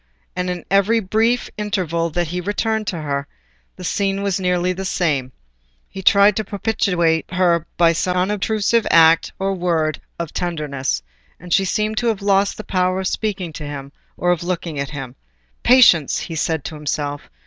And in every brief interval that he returned to her, the scene was nearly the same: he tried to propitiate her by some unobtrusive act or word of tenderness, and she seemed to have lost the power of speaking to him, or of looking at him. "Patience!" he said to himself.